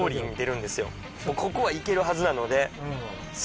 ここは行けるはずなので。